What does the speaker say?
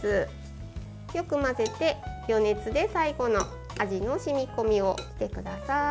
よく混ぜて、余熱で最後の味の染み込みをしてください。